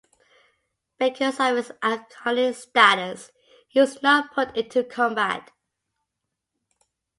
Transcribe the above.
Because of his iconic status, he was not put into combat.